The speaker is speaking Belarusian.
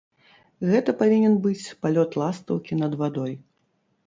Гэта павінен быць палёт ластаўкі над вадой.